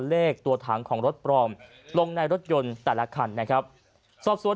เลขตัวถังของรถปลอมลงในรถยนต์แต่ละคันนะครับสอบสวน